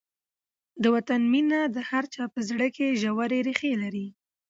د وطن مینه د هر چا په زړه کې ژورې ریښې لري.